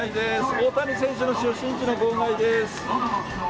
大谷選手の出身地の号外です。